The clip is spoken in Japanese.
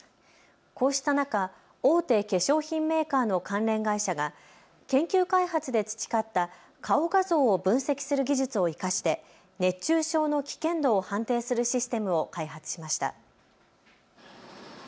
こうした中、大手化粧品メーカーの関連会社が研究開発で培った顔画像を分析する技術を生かして熱中症の危険度を判定するシステムを開発しました。